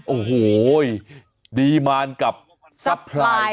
โอ้โหดีมานกับซัพพลาย